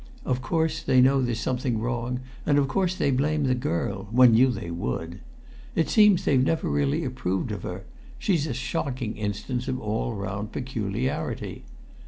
Of course they know there's something wrong, and of course they blame the girl; one knew they would. It seems they've never really approved of her; she's a shocking instance of all round peculiarity.